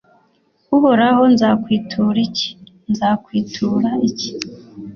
uhoraho nzakwitura iki? nzakwitura iki